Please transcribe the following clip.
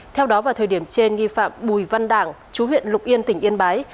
theo đó vào thời điểm trên nghi phạm bùi văn đảng chú huyện lục yên tỉnh yên bái